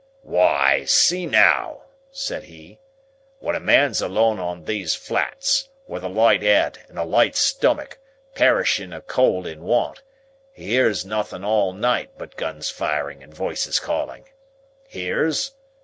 "Why, see now!" said he. "When a man's alone on these flats, with a light head and a light stomach, perishing of cold and want, he hears nothin' all night, but guns firing, and voices calling. Hears?